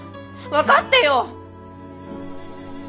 分かってよ！